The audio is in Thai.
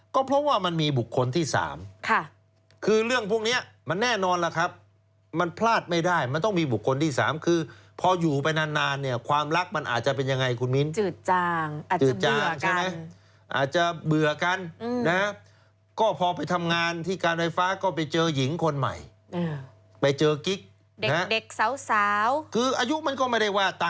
ก็เพราะว่ามันมีบุคคลที่๓คือเรื่องพวกนี้มันแน่นอนล่ะครับมันพลาดไม่ได้มันต้องมีบุคคลที่๓คือพออยู่ไปนานเนี่ยความรักมันอาจจะเป็นยังไงคุณมิ้นจืดจางอาจจะเบื่อกันนะก็พอไปทำงานที่การไฟฟ้าก็ไปเจอหญิงคนใหม่ไปเจอกิ๊กเด็กสาวคืออายุมันก็ไม่ได้ว่าต